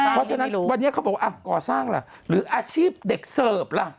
เพราะฉะนั้นวันนี้เขาบอกว่าก่อสร้างล่ะหรืออาชีพเด็กเสิร์ฟล่ะ